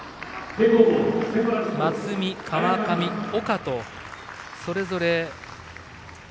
松見、川上、岡とそれぞれ。